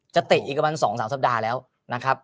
จะเตะอีกกับมัน๒๓สัปดาห์แล้วนะครับ